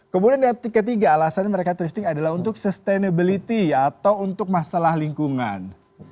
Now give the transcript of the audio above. kemudian yang ketiga alasannya mereka thrifting adalah untuk sustainability atau untuk masalah lingkungan